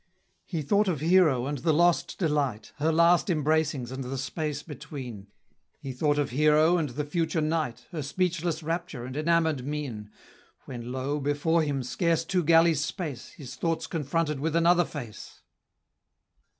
He thought of Hero and the lost delight, Her last embracings, and the space between; He thought of Hero and the future night, Her speechless rapture and enamor'd mien, When, lo! before him, scarce two galleys' space, His thoughts confronted with another face!